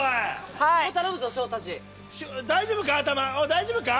大丈夫か？